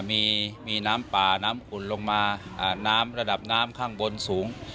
มีน้ำป่าน้ำอุ่นลงมาน้ำระดับน้ำข้างบนสูง